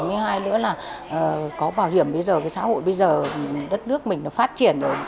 thứ hai nữa là có bảo hiểm bây giờ cái xã hội bây giờ đất nước mình nó phát triển rồi